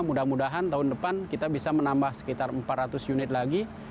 mudah mudahan tahun depan kita bisa menambah sekitar empat ratus unit lagi